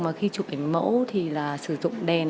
mà khi chụp ảnh mẫu thì là sử dụng đèn